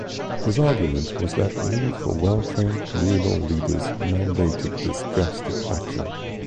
His argument was that the need for well-trained communal leaders mandated this drastic action.